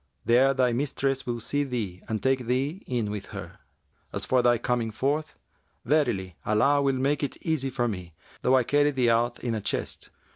There thy mistress will see thee and take thee in with her. As for thy coming forth, verily Allah will make it easy to me, though I carry thee out in a chest."